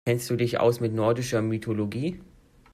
Kennst du dich aus mit nordischer Mythologie?